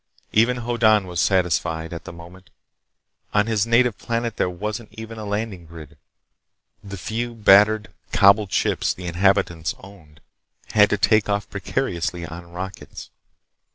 Even Hoddan was satisfied, as of the moment. On his native planet there wasn't even a landing grid. The few, battered, cobbled ships the inhabitants owned had to take off precariously on rockets.